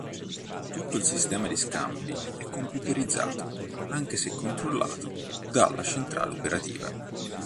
Tutto il sistema di scambi è computerizzato, anche se controllato dalla centrale operativa.